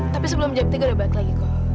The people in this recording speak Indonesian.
tapi sebelum jam tiga udah balik lagi kok